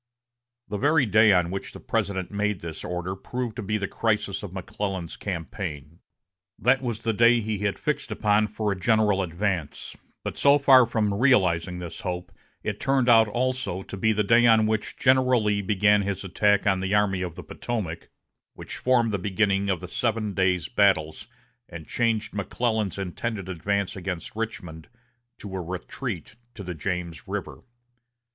The very day on which the President made this order proved to be the crisis of McClellan's campaign. That was the day he had fixed upon for a general advance; but so far from realizing this hope, it turned out, also, to be the day on which General Lee began his attack on the Army of the Potomac, which formed the beginning of the seven days' battles, and changed McClellan's intended advance against Richmond to a retreat to the James River.